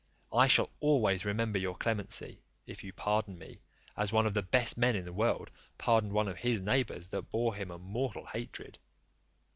I shall always remember your clemency, if you pardon me, as one of the best men in the world pardoned one of his neighbours that bore him a mortal hatred.